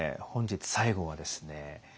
本日最後はですね